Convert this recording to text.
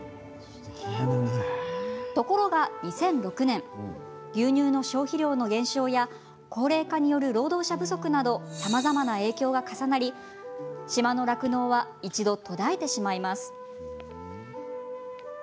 ところが２００６年牛乳の消費量の減少や高齢化による労働者不足などさまざまな影響が重なり島の酪農は一度途絶えてしまいます。